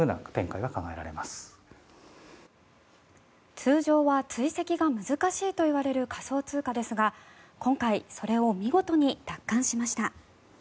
通常は追跡が難しいといわれる仮想通貨ですが、今回それを見事に奪還しました。